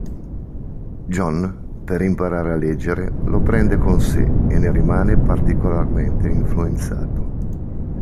John, per imparare a leggere, lo prende con sé e ne rimane particolarmente influenzato.